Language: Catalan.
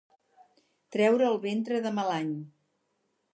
Treure el ventre de mal any.